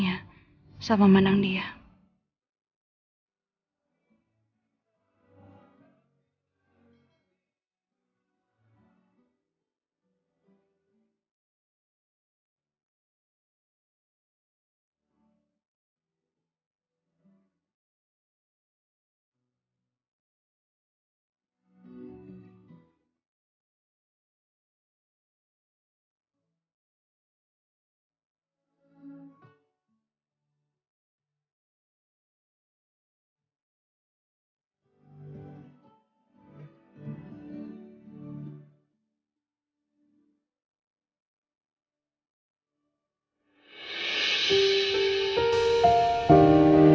dan aku tak bisa mencari yang lain